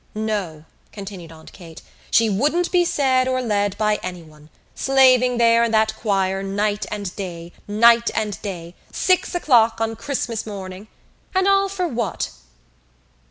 "No," continued Aunt Kate, "she wouldn't be said or led by anyone, slaving there in that choir night and day, night and day. Six o'clock on Christmas morning! And all for what?"